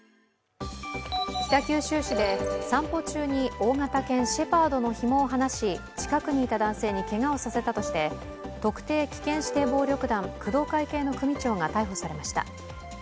北九州市で散歩中に大型犬、シェパードのひもを放し近くにいた男性にけがをさせたとして、特定危険指定暴力団工藤会系の組長が逮捕されました。